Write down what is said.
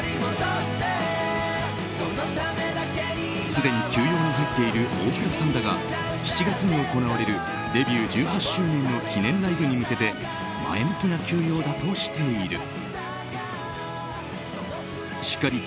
すでに休養に入っている大倉さんだが７月に行われるデビュー１８周年の記念ライブに向けて前向きな休養だとしている。